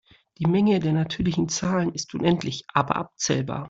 Die Menge der natürlichen Zahlen ist unendlich aber abzählbar.